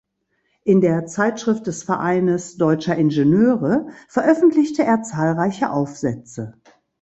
In der "Zeitschrift des Vereines deutscher Ingenieure" veröffentlichte er zahlreiche Aufsätze.